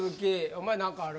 お前何かある？